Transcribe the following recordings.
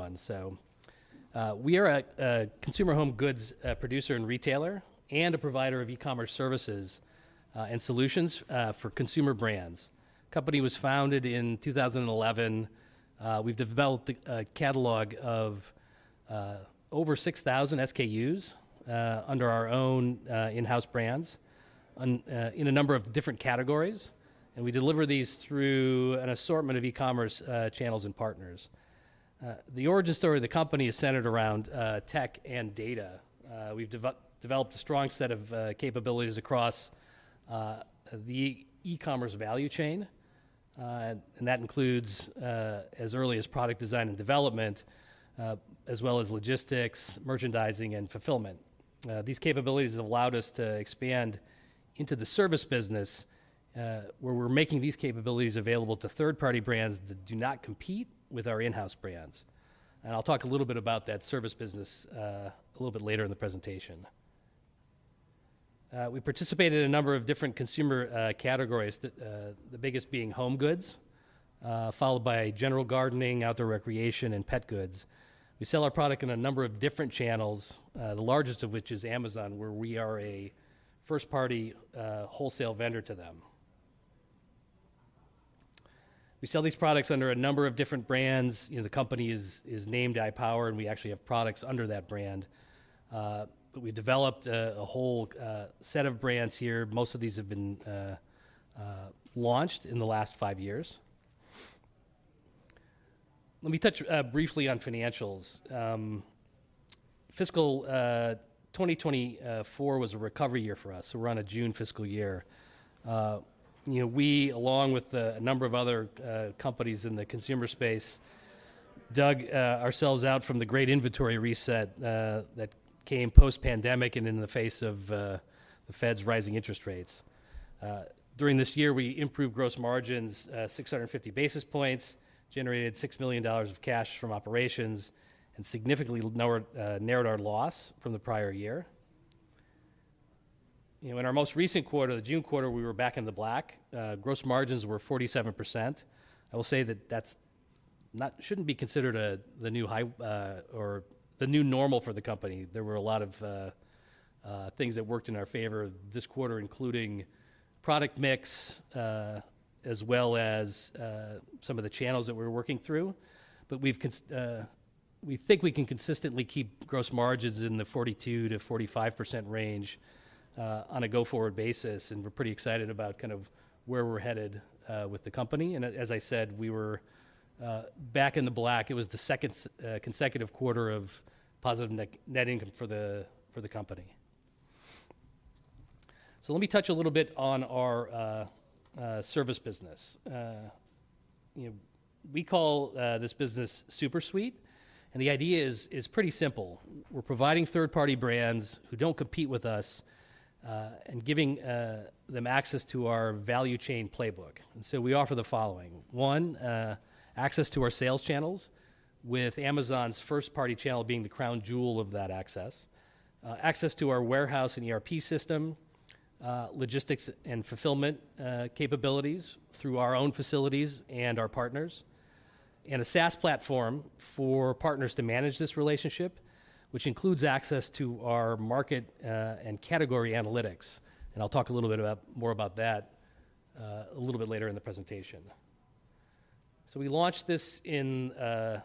Other one. So, we are a consumer home goods producer and retailer, and a provider of e-commerce services and solutions for consumer brands. The company was founded in 2011. We've developed a catalog of over 6,000 SKUs under our own in-house brands in a number of different categories. And we deliver these through an assortment of e-commerce channels and partners. The origin story of the company is centered around tech and data. We've developed a strong set of capabilities across the e-commerce value chain. And that includes as early as product design and development, as well as logistics, merchandising, and fulfillment. These capabilities have allowed us to expand into the service business, where we're making these capabilities available to third-party brands that do not compete with our in-house brands. And I'll talk a little bit about that service business a little bit later in the presentation. We participate in a number of different consumer categories, the biggest being home goods, followed by general gardening, outdoor recreation, and pet goods. We sell our product in a number of different channels, the largest of which is Amazon, where we are a first-party wholesale vendor to them. We sell these products under a number of different brands. You know, the company is named iPower, and we actually have products under that brand, but we developed a whole set of brands here. Most of these have been launched in the last five years. Let me touch briefly on financials. Fiscal 2024 was a recovery year for us, so we're on a June fiscal year. You know, we along with a number of other companies in the consumer space dug ourselves out from the great inventory reset that came post-pandemic and in the face of the Fed's rising interest rates. During this year, we improved gross margins 650 basis points, generated $6 million of cash from operations, and significantly lowered, narrowed our loss from the prior year. You know, in our most recent quarter, the June quarter, we were back in the black. Gross margins were 47%. I will say that that's not shouldn't be considered the new high, or the new normal for the company. There were a lot of things that worked in our favor this quarter, including product mix, as well as some of the channels that we were working through. But we think we can consistently keep gross margins in the 42%-45% range, on a go-forward basis. And we're pretty excited about kind of where we're headed with the company. And as I said, we were back in the black. It was the second consecutive quarter of positive net income for the company. So let me touch a little bit on our service business. You know, we call this business SuperSuite. And the idea is pretty simple. We're providing third-party brands who don't compete with us, and giving them access to our value chain playbook. And so we offer the following: one, access to our sales channels, with Amazon's first-party channel being the crown jewel of that access. Access to our warehouse and ERP system, logistics and fulfillment capabilities through our own facilities and our partners. And a SaaS platform for partners to manage this relationship, which includes access to our market and category analytics. And I'll talk a little bit more about that a little bit later in the presentation. So we launched this in the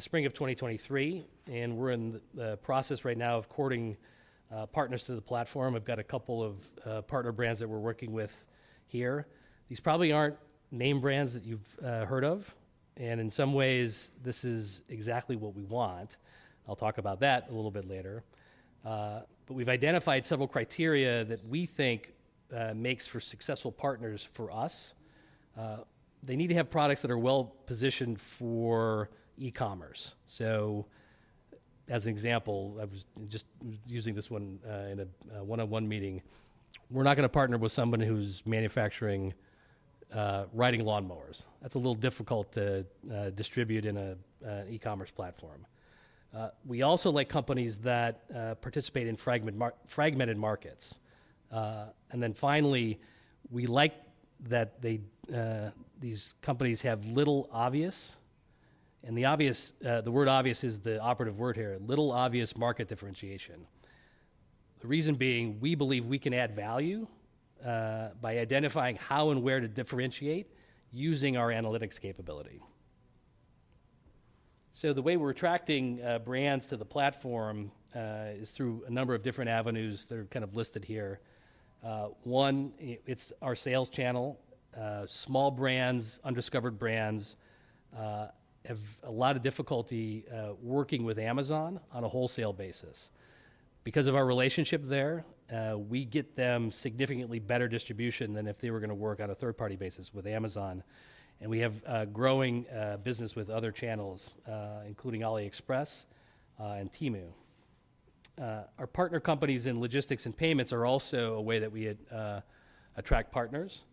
spring of 2023, and we're in the process right now of courting partners to the platform. We've got a couple of partner brands that we're working with here. These probably aren't name brands that you've heard of. And in some ways, this is exactly what we want. I'll talk about that a little bit later. But we've identified several criteria that we think makes for successful partners for us. They need to have products that are well-positioned for e-commerce. So as an example, I was just using this one in a one-on-one meeting. We're not going to partner with someone who's manufacturing riding lawnmowers. That's a little difficult to distribute in an e-commerce platform. We also like companies that participate in fragmented markets. And then finally, we like that they these companies have little obvious. And the obvious, the word obvious is the operative word here: little obvious market differentiation. The reason being, we believe we can add value by identifying how and where to differentiate using our analytics capability. So the way we're attracting brands to the platform is through a number of different avenues that are kind of listed here. One, it's our sales channel. Small brands, undiscovered brands, have a lot of difficulty working with Amazon on a wholesale basis. Because of our relationship there, we get them significantly better distribution than if they were going to work on a third-party basis with Amazon. And we have a growing business with other channels, including AliExpress, and Temu. Our partner companies in logistics and payments are also a way that we had attract partners,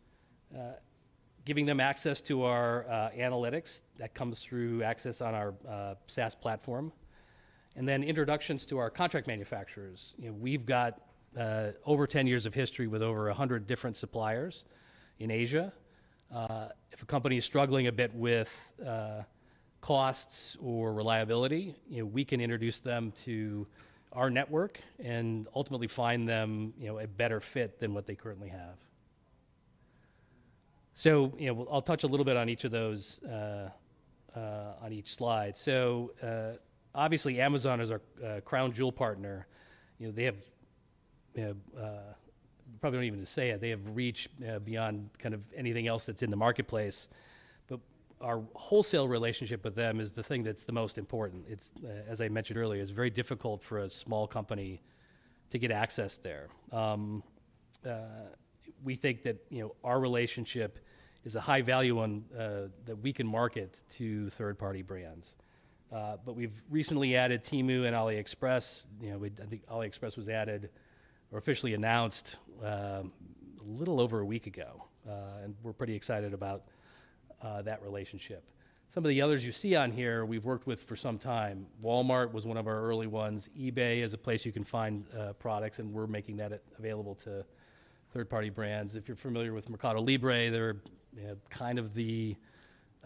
giving them access to our analytics that comes through access on our SaaS platform. And then introductions to our contract manufacturers. You know, we've got over 10 years of history with over 100 different suppliers in Asia. If a company is struggling a bit with costs or reliability, you know, we can introduce them to our network and ultimately find them, you know, a better fit than what they currently have. So, you know, I'll touch a little bit on each of those, on each slide. So, obviously, Amazon is our crown jewel partner. You know, they have probably don't even need to say it. They have reached beyond kind of anything else that's in the marketplace. But our wholesale relationship with them is the thing that's the most important. It's as I mentioned earlier, it's very difficult for a small company to get access there. We think that, you know, our relationship is a high value one, that we can market to third-party brands, but we've recently added Temu and AliExpress. You know, I think AliExpress was added or officially announced a little over a week ago, and we're pretty excited about that relationship. Some of the others you see on here, we've worked with for some time. Walmart was one of our early ones. eBay is a place you can find products, and we're making that available to third-party brands. If you're familiar with MercadoLibre, they're, you know, kind of the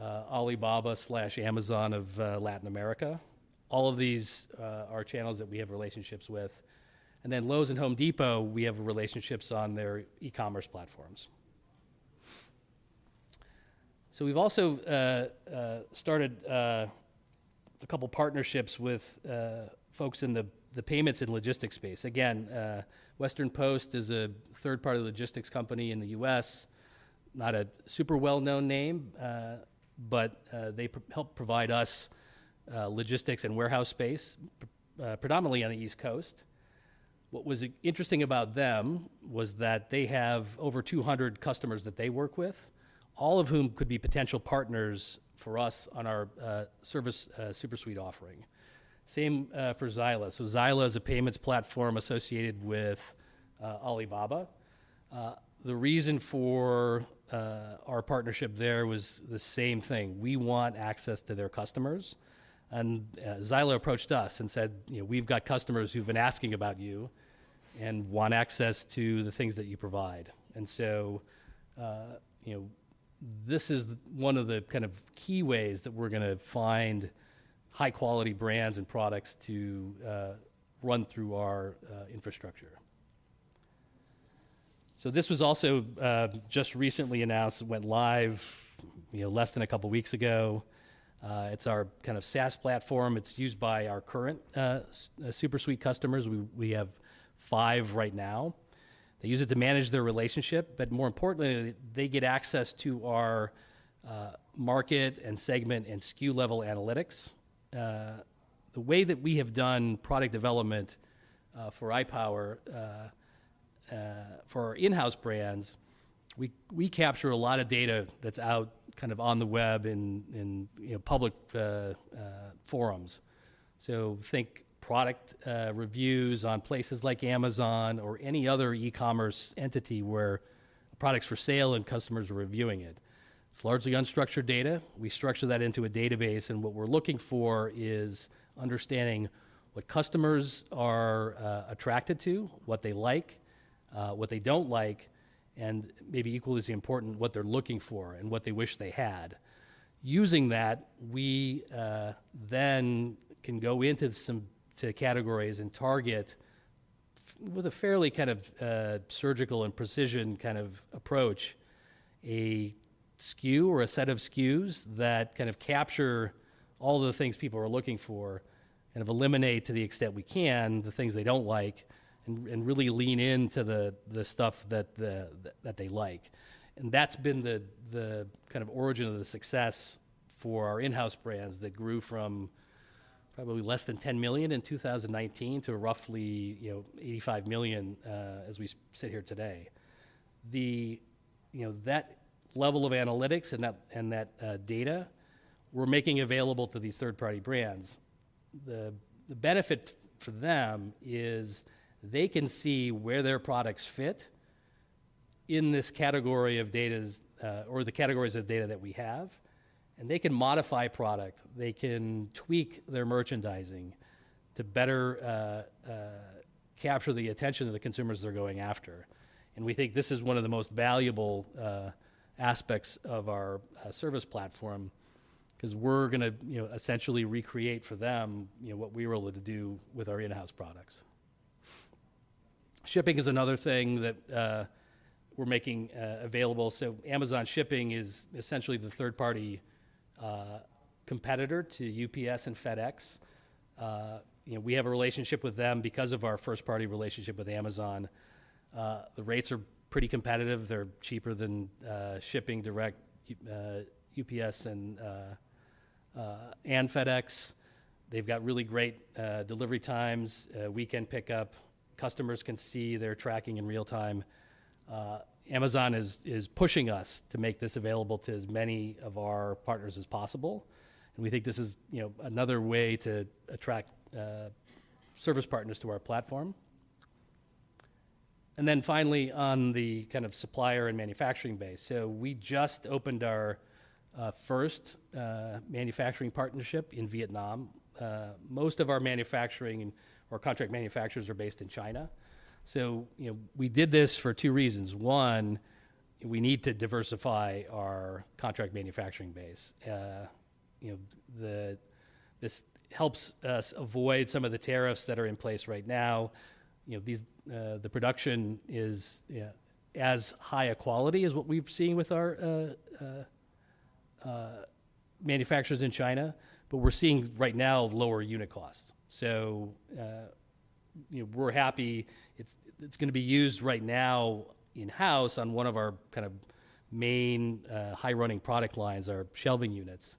Alibaba slash Amazon of Latin America. All of these are channels that we have relationships with, and then Lowe's and Home Depot, we have relationships on their e-commerce platforms, so we've also started a couple partnerships with folks in the payments and logistics space. Again, Western Post is a third-party logistics company in the U.S. Not a super well-known name, but they help provide us logistics, and warehouse space, predominantly on the East Coast. What was interesting about them was that they have over 200 customers that they work with, all of whom could be potential partners for us on our service, SuperSuite offering. Same for Zall. So Zall is a payments platform associated with Alibaba. The reason for our partnership there was the same thing. We want access to their customers. And Zall approached us and said, you know, we've got customers who've been asking about you and want access to the things that you provide. And so, you know, this is one of the kind of key ways that we're going to find high-quality brands and products to run through our infrastructure. So this was also just recently announced. It went live, you know, less than a couple weeks ago. It's our kind of SaaS platform. It's used by our current SuperSuite customers. We have five right now. They use it to manage their relationship. But more importantly, they get access to our market and segment and SKU-level analytics. The way that we have done product development for iPower, for our in-house brands, we capture a lot of data that's out kind of on the web and in, you know, public forums. So think product reviews on places like Amazon or any other e-commerce entity where products for sale and customers are reviewing it. It's largely unstructured data. We structure that into a database. What we're looking for is understanding what customers are attracted to, what they like, what they don't like, and maybe equally as important, what they're looking for, and what they wish they had. Using that, we then can go into some categories and target with a fairly kind of surgical and precision kind of approach a SKU or a set of SKUs that kind of capture all the things people are looking for and have eliminated to the extent we can the things they don't like and really lean into the stuff that they like. That's been the kind of origin of the success for our in-house brands that grew from probably less than $10 million in 2019 to roughly, you know, $85 million, as we sit here today. You know, that level of analytics and that data we're making available to these third-party brands. The benefit for them is they can see where their products fit in this category of data's or the categories of data that we have. They can modify product. They can tweak their merchandising to better capture the attention of the consumers they're going after. We think this is one of the most valuable aspects of our service platform because we're going to, you know, essentially recreate for them, you know, what we were able to do with our in-house products. Shipping is another thing that we're making available. Amazon Shipping is essentially the third-party competitor to UPS and FedEx. You know, we have a relationship with them because of our first-party relationship with Amazon. The rates are pretty competitive. They're cheaper than shipping direct, UPS and FedEx. They've got really great delivery times, weekend pickup. Customers can see their tracking in real time. Amazon is pushing us to make this available to as many of our partners as possible. We think this is, you know, another way to attract service partners to our platform. Then finally, on the kind of supplier and manufacturing base, we just opened our first manufacturing partnership in Vietnam. Most of our manufacturing or contract manufacturers are based in China. So, you know, we did this for two reasons. One, we need to diversify our contract manufacturing base. You know, this helps us avoid some of the tariffs that are in place right now. You know, the production is, you know, as high a quality as what we've seen with our manufacturers in China. But we're seeing right now lower unit costs. So, you know, we're happy it's going to be used right now in-house on one of our kind of main, high-running product lines, our shelving units.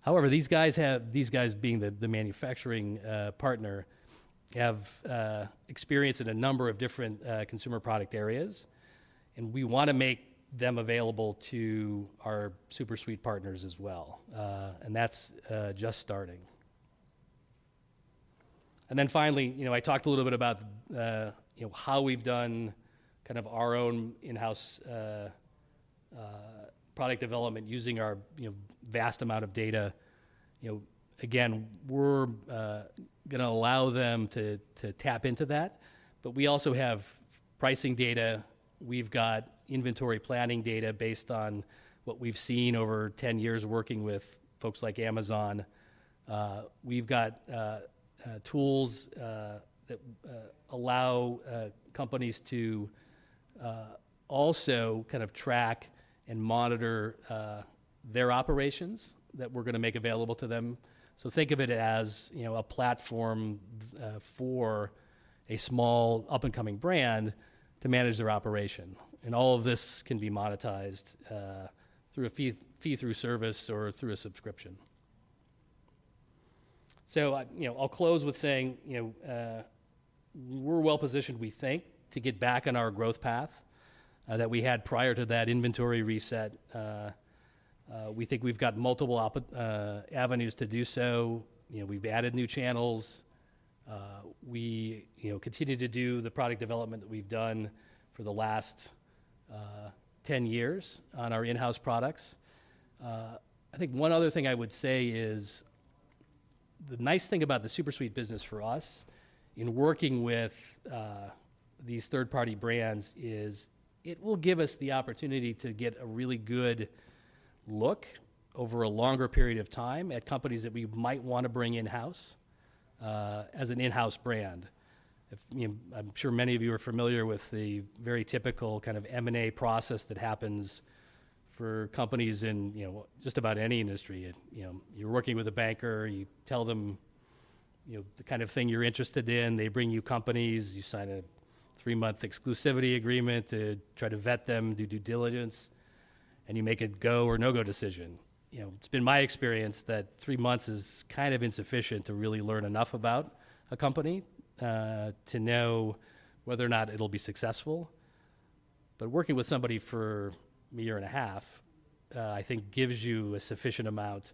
However, these guys, being the manufacturing partner, have experience in a number of different consumer product areas. And we want to make them available to our SuperSuite partners as well, and that's just starting. And then finally, you know, I talked a little bit about, you know, how we've done kind of our own in-house product development using our, you know, vast amount of data. You know, again, we're going to allow them to tap into that. But we also have pricing data. We've got inventory planning data based on what we've seen over 10 years working with folks like Amazon. We've got tools that allow companies to also kind of track and monitor their operations that we're going to make available to them. So think of it as, you know, a platform for a small up-and-coming brand to manage their operation. And all of this can be monetized through a fee-for-service or through a subscription. So, you know, I'll close with saying, you know, we're well-positioned, we think, to get back on our growth path that we had prior to that inventory reset. We think we've got multiple avenues to do so. You know, we've added new channels. We you know continue to do the product development that we've done for the last 10 years on our in-house products. I think one other thing I would say is the nice thing about the SuperSuite business for us in working with these third-party brands is it will give us the opportunity to get a really good look over a longer period of time at companies that we might want to bring in-house, as an in-house brand. I mean, you know, I'm sure many of you are familiar with the very typical kind of M&A process that happens for companies in, you know, just about any industry. You know, you're working with a banker, you tell them, you know, the kind of thing you're interested in, they bring you companies, you sign a three-month exclusivity agreement to try to vet them, do due diligence, and you make a go or no-go decision. You know, it's been my experience that three months is kind of insufficient to really learn enough about a company, to know whether or not it'll be successful, but working with somebody for a year and a half, I think gives you a sufficient amount,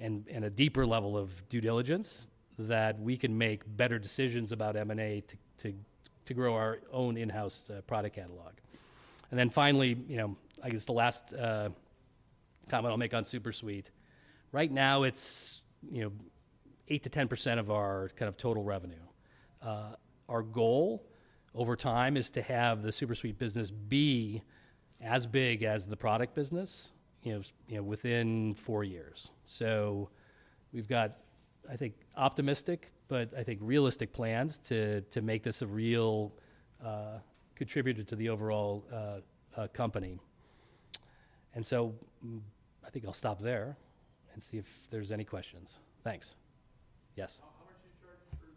and a deeper level of due diligence that we can make better decisions about M&A to grow our own in-house product catalog. And then finally, you know, I guess the last comment I'll make on SuperSuite. Right now it's, you know, 8%-10% of our kind of total revenue. Our goal over time is to have the SuperSuite business be as big as the product business, you know, within four years. So we've got, I think, optimistic, but I think realistic plans to make this a real contributor to the overall company. And so I think I'll stop there and see if there's any questions. Thanks. Yes. How much are you charging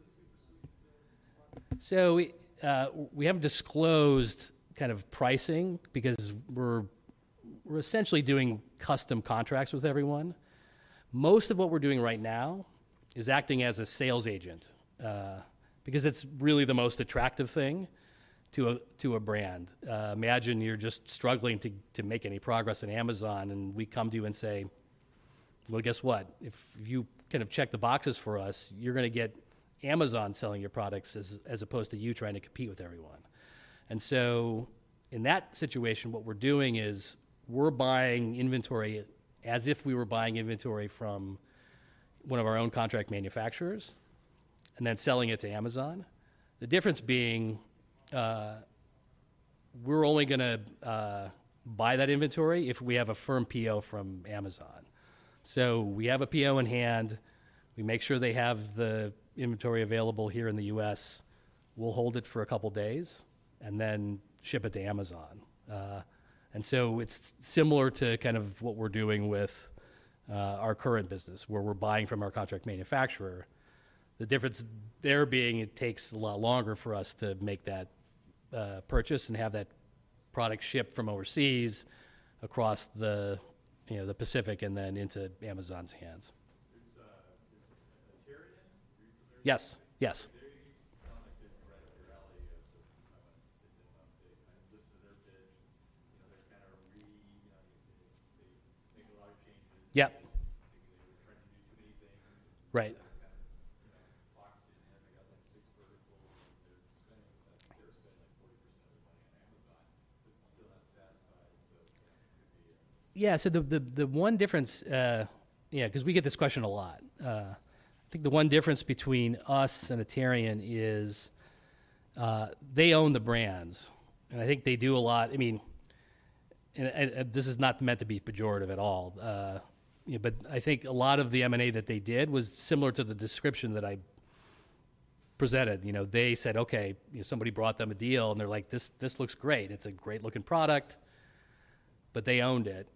for the SuperSuite? So, we haven't disclosed kind of pricing because we're essentially doing custom contracts with everyone. Most of what we're doing right now is acting as a sales agent, because it's really the most attractive thing to a brand. Imagine you're just struggling to make any progress on Amazon and we come to you and say, well, guess what? If you kind of check the boxes for us, you're going to get Amazon selling your products as opposed to you trying to compete with everyone. And so in that situation, what we're doing is we're buying inventory as if we were buying inventory from one of our own contract manufacturers and then selling it to Amazon. The difference being, we're only going to buy that inventory if we have a firm PO from Amazon. So we have a PO in hand, we make sure they have the inventory available here in the U.S., we'll hold it for a couple days, and then ship it to Amazon. And so it's similar to kind of what we're doing with our current business where we're buying from our contract manufacturer. The difference there being it takes a lot longer for us to make that purchase and have that product shipped from overseas across the, you know, the Pacific and then into Amazon's hands. It's Aterian? Yes. Yes. They kind of didn't right up your alley, they didn't update. I listened to their pitch. You know, they're kind of, you know, they make a lot of changes. Yep. They're trying to do too many things. Right. Kind of, you know, Fox didn't end up. They got like six verticals, and they're spending, I think they're spending like 40% of their money on Amazon, but still not satisfied. So, you know, it could be a. Yeah. So the one difference, yeah, because we get this question a lot. I think the one difference between us and Aterian is, they own the brands and I think they do a lot. I mean, and this is not meant to be pejorative at all. You know, but I think a lot of the M&A that they did was similar to the description that I presented. You know, they said, okay, you know, somebody brought them a deal and they're like, this looks great. It's a great looking product, but they owned it.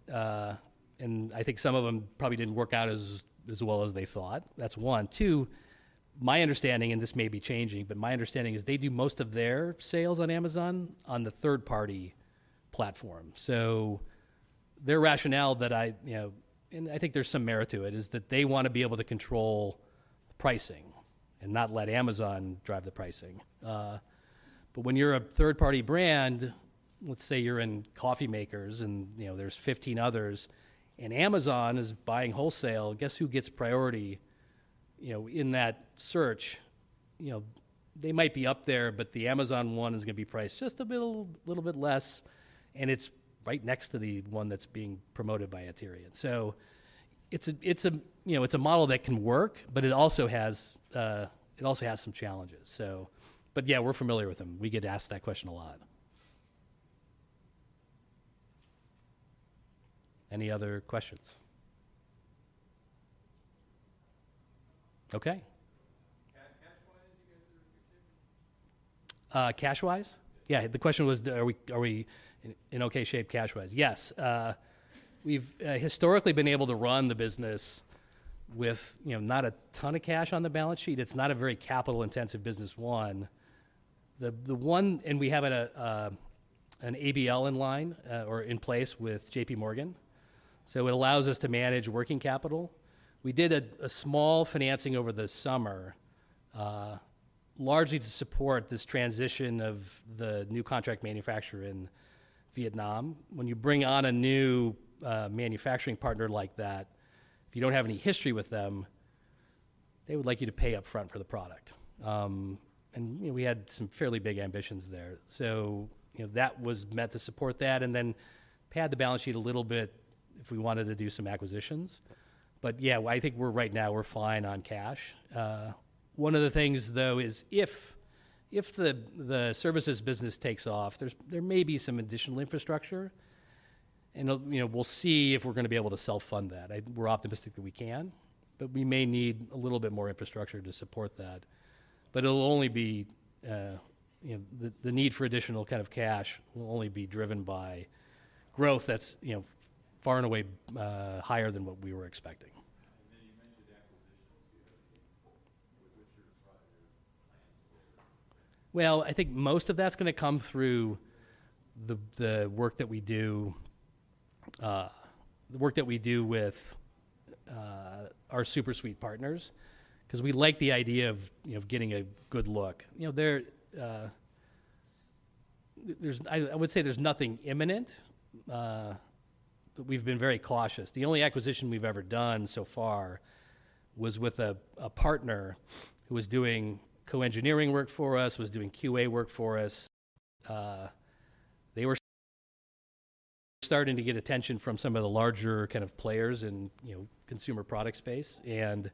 And I think some of them probably didn't work out as, as well as they thought. That's one. Two, my understanding, and this may be changing, but my understanding is they do most of their sales on Amazon on the third-party platform. So their rationale that I, you know, and I think there's some merit to it is that they want to be able to control pricing, and not let Amazon drive the pricing. But when you're a third-party brand, let's say you're in coffee makers and, you know, there's 15 others, and Amazon is buying wholesale, guess who gets priority, you know, in that search? You know, they might be up there, but the Amazon one is going to be priced just a little, little bit less and it's right next to the one that's being promoted by Aterian. So it's a you know, it's a model that can work, but it also has some challenges. But yeah, we're familiar with them. We get asked that question a lot. Any other questions? Okay. Cash-wise, you guys are in good shape? Yeah. The question was, are we in okay shape cash-wise? Yes. We've historically been able to run the business with you know, not a ton of cash on the balance sheet. It's not a very capital intensive business. One, and we have an ABL in place with J.P. Morgan. So it allows us to manage working capital. We did a small financing over the summer, largely to support this transition of the new contract manufacturer in Vietnam. When you bring on a new manufacturing partner like that, if you don't have any history with them, they would like you to pay upfront for the product. And you know, we had some fairly big ambitions there. So, you know, that was meant to support that and then pad the balance sheet a little bit if we wanted to do some acquisitions. But yeah, I think we're right now, we're fine on cash. One of the things though is if the services business takes off, there may be some additional infrastructure and it'll, you know, we'll see if we're going to be able to self-fund that. We're optimistic that we can, but we may need a little bit more infrastructure to support that. But it'll only be, you know, the need for additional kind of cash will only be driven by growth that's, you know, far and away, higher than what we were expecting. You mentioned acquisitions. Do you have any with which you're trying your plans to? Well, I think most of that's going to come through the work that we do with our SuperSuite partners. Because we like the idea of, you know, getting a good look. You know, there, I would say there's nothing imminent. But we've been very cautious. The only acquisition we've ever done so far was with a partner who was doing co-engineering work for us, was doing QA work for us. They were starting to get attention from some of the larger kind of players in, you know, consumer product space. And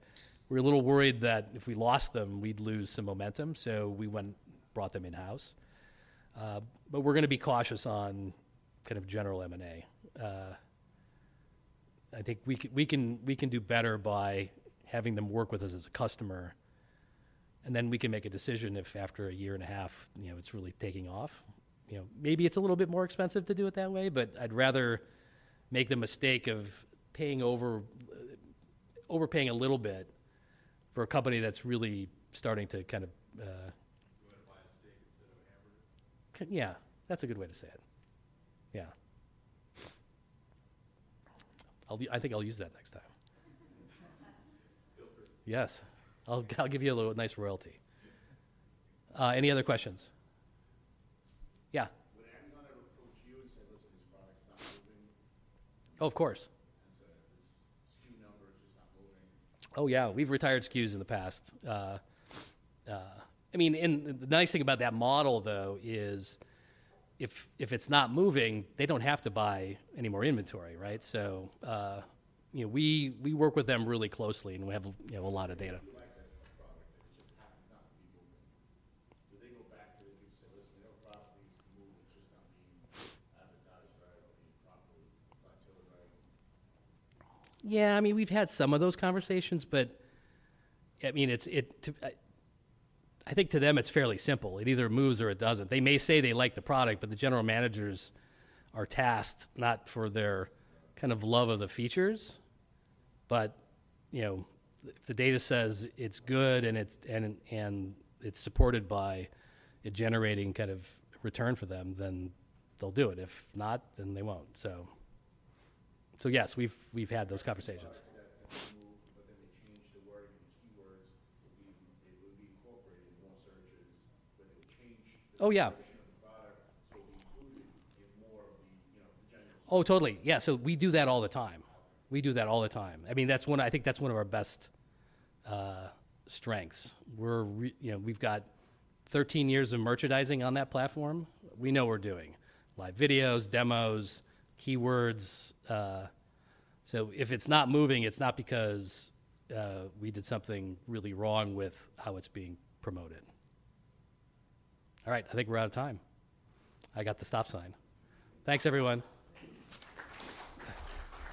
we're a little worried that if we lost them, we'd lose some momentum. So we went and brought them in-house. But we're going to be cautious on kind of general M&A. I think we can, we can, we can do better by having them work with us as a customer. And then we can make a decision if after a year and a half, you know, it's really taking off. You know, maybe it's a little bit more expensive to do it that way, but I'd rather make the mistake of paying over, overpaying a little bit for a company that's really starting to kind of do it with a scalpel instead of a hammer. Yeah. That's a good way to say it. Yeah. I'll, I think I'll use that next time. Feel free. Yes. I'll, I'll give you a little nice royalty. Any other questions? Yeah. Would Amazon ever approach you and say, listen, this product's not moving? Oh, of course. And say, this SKU number is just not moving? Oh yeah. We've retired SKUs in the past. I mean, and the nice thing about that model though is if it's not moving, they don't have to buy any more inventory, right? So, you know, we work with them really closely and we have, you know, a lot of data. Like that product that it just happens not to be moving? Do they go back to you and say, listen, we have a product that needs to move, it's just not being advertised right or being properly articulated right? Yeah. I mean, we've had some of those conversations, but I mean, it's, it, I think to them it's fairly simple. It either moves or it doesn't. They may say they like the product, but the general managers are tasked not for their kind of love of the features, but you know, if the data says it's good and it's supported by it generating kind of return for them, then they'll do it. If not, then they won't. So yes, we've had those conversations. But then they change the wording and the keywords that we would be incorporating in more searches, but it would change the. Oh yeah. Product. So we included in more of the, you know, the general. Oh, totally. Yeah. So we do that all the time. We do that all the time. I mean, that's one, I think that's one of our best strengths. We're, you know, we've got 13 years of merchandising on that platform. We know we're doing live videos, demos, keywords. So if it's not moving, it's not because we did something really wrong with how it's being promoted. All right. I think we're out of time. I got the stop sign. Thanks everyone.